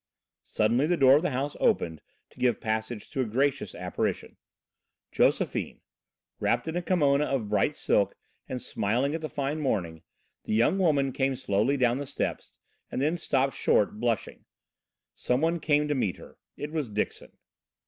Suddenly the door of the house opened to give passage to a gracious apparition Josephine. Wrapped in a kimona of bright silk and smiling at the fine morning, the young woman came slowly down the steps and then stopped short, blushing. Some one came to meet her it was Dixon.